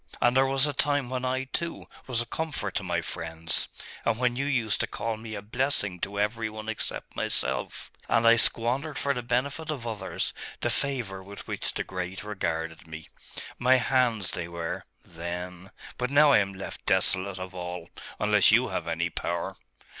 And there was a time when I, too, was a comfort to my friends, and when you used to call me a blessing to every one except myself, as I squandered for the benefit of others the favour with which the great regarded me.... My hands they were then.... But now I am left desolate of all: unless you have any power.